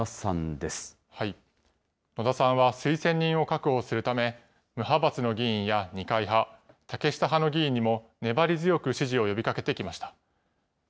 野田さんは推薦人を確保するため、無派閥の議員や二階派、竹下派の議員にも粘り強く支持を呼びかけてきました。